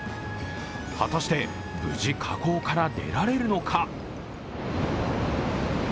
果たして、無事、火口から出られるのか？